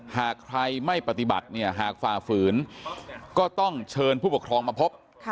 หากใครไม่ปฏิบัติเนี่ยหากฝ่าฝืนก็ต้องเชิญผู้ปกครองมาพบ